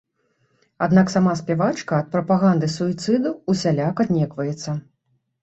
Аднак сама спявачка ад прапаганды суіцыду ўсяляк аднекваецца.